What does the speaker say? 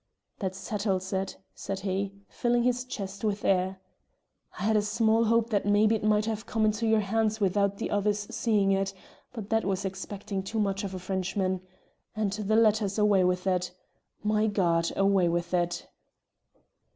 "That settles it," said he, filling his chest with air. "I had a small hope that maybe it might have come into your hands without the others seeing it, but that was expecting too much of a Frenchman. And the letter's away with it! My God! Away with it!